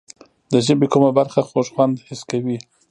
د ژبې کومه برخه خوږ خوند حس کوي؟